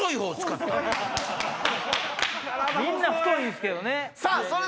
みんな太いんすけどね。